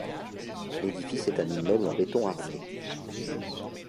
L'édifice est un immeuble en béton armé.